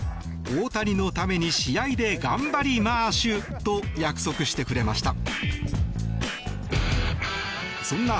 大谷のために試合で頑張りマーシュと約束してきました。